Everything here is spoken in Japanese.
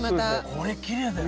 これきれいだよ。